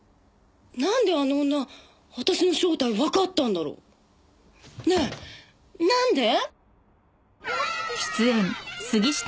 なんであの女私の正体わかったんだろう？ねえなんで？